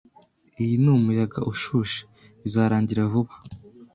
Iyi ni umuyaga ushushe. Bizarangira vuba